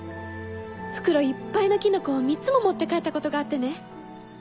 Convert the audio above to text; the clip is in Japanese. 袋いっぱいのキノコを３つも持って帰ったことがあってね。